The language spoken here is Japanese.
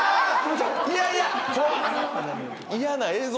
「嫌な映像！」